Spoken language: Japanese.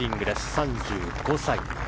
３５歳。